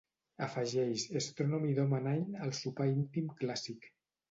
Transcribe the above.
Afegeix Astronomy Domine al sopar íntim clàssic.